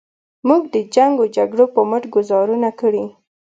موږ د جنګ و جګړو په مټ ګوزارونه کړي.